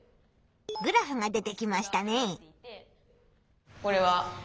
グラフが出てきましたね。